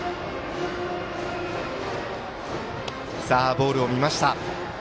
ボールを見ました。